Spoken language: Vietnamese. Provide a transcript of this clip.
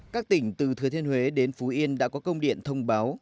các tỉnh từ thừa thiên huế đến phú yên đã có công điện thông báo